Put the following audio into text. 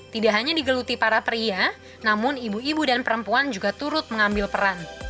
tidak hanya digeluti para pria namun ibu ibu dan perempuan juga turut mengambil peran